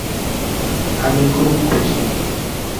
আমি খুব খুশি।